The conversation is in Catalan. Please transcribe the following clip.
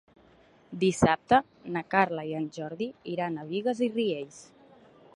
Dissabte na Carla i en Jordi iran a Bigues i Riells.